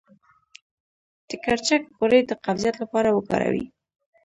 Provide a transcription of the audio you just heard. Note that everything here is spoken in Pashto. د کرچک غوړي د قبضیت لپاره وکاروئ